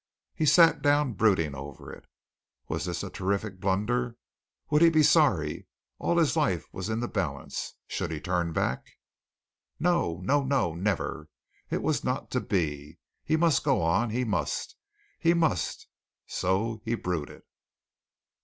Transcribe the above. He sat down brooding over it. Was this a terrific blunder? Would he be sorry? All his life was in the balance. Should he turn back? No! No! No! Never! It was not to be. He must go on. He must! He must! So he brooded.